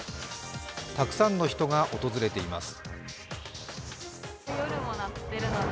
たくさんの人が訪れています。